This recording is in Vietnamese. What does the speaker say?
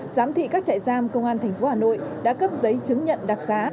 giám thị các trại giam công an thành phố hà nội đã cấp giấy chứng nhận đặc xá